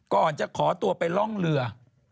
ก่อนจะขอตัวไปร่องเรือ